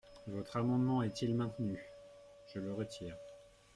Votre amendement est-il maintenu ? Je le retire.